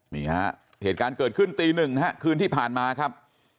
นี่ฮะเหตุการณ์เกิดขึ้นตีหนึ่งนะฮะคืนที่ผ่านมาครับ